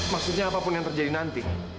maksudnya apapun yang terjadi nanti